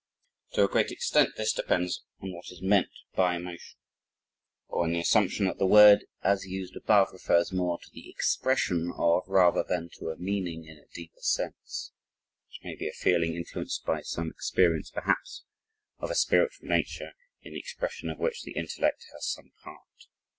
To a great extent this depends on what is meant by emotion or on the assumption that the word as used above refers more to the EXPRESSION, of, rather than to a meaning in a deeper sense which may be a feeling influenced by some experience perhaps of a spiritual nature in the expression of which the intellect has some part.